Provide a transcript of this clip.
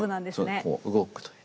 こう動くという。